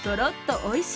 おいしい。